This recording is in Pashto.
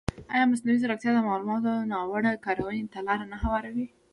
ایا مصنوعي ځیرکتیا د معلوماتو ناوړه کارونې ته لاره نه هواروي؟